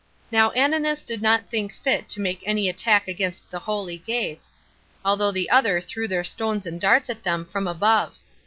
Now Ananus did not think fit to make any attack against the holy gates, although the other threw their stones and darts at them from above.